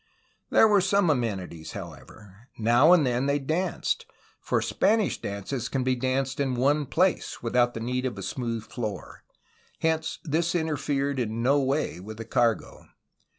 There were some amenities, however. Now and then, they danced, — for Spanish dances can be danced in one place, without the need of a smooth floor; hence this interfered in no way with the cargo.